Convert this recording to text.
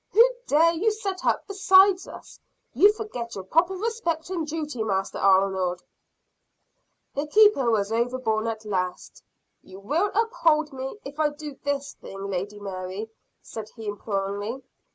Who dare you set up beside us? You forget your proper respect and duty, Master Arnold." The keeper was overborne at last. "You will uphold me, if I do this thing, Lady Mary?" said he imploringly.